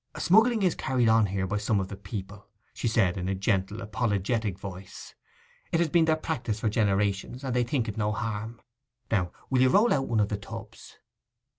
'Smuggling is carried on here by some of the people,' she said in a gentle, apologetic voice. 'It has been their practice for generations, and they think it no harm. Now, will you roll out one of the tubs?